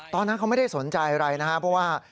ตอนนั้นเขาไม่ได้สนใจอะไรนะครับเพราะว่า